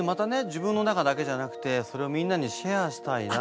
自分の中だけじゃなくてそれをみんなにシェアしたいなって。